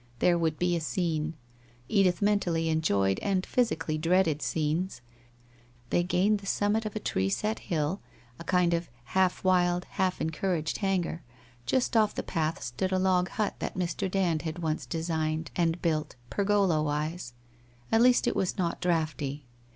There would be a scene. Edith mentally enjoyed and physically dreaded scenes. They gained the summit of a tree set hill — a kind of half wild, half encouraged hangar. Just off the path stood a log hut that Mr. Dand had once designed and built, pergola wise. At least it was not draughty.